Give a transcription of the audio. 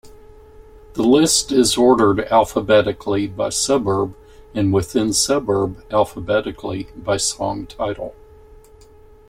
The list is ordered alphabetically by suburb and within suburb alphabetically by song title.